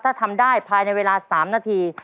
ถ้าทำได้ภายในเวลา๓นาที